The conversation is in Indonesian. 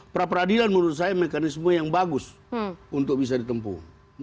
pra peradilan menurut saya mekanisme yang bagus untuk bisa ditempuh